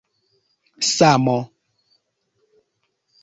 samo